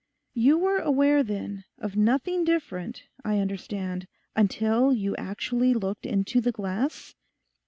'You were aware then of nothing different, I understand, until you actually looked into the glass?